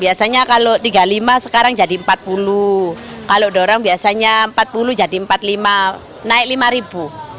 biasanya kalau tiga puluh lima sekarang jadi empat puluh kalau dorong biasanya empat puluh jadi empat puluh lima naik rp lima